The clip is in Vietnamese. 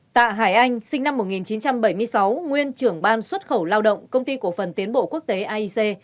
tạ hải anh sinh năm một nghìn chín trăm bảy mươi sáu nguyên trưởng ban xuất khẩu lao động công ty cổ phần tiến bộ quốc tế aic